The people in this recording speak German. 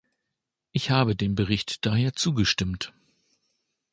Ich habe dem Bericht daher zugestimmt.